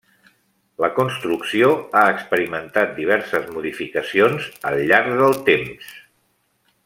La construcció ha experimentat diverses modificacions al llarg del temps.